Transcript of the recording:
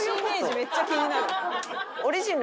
めっちゃ気になる。